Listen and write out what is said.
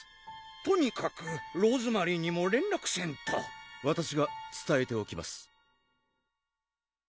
とにかくローズマリーにも連絡せんとわたしがつたえておきます